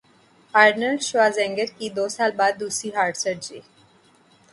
Arnold Schwarzenegger کی دو سال بعد دوسری ہارٹ سرجری